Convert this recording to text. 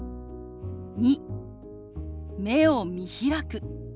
２目を見開く。